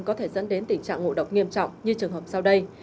có thể dẫn đến tình trạng ngộ độc nghiêm trọng như trường hợp sau đây